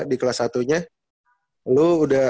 di kelas satu nya lu udah